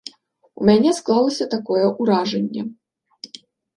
У мяне склалася такое ўражанне.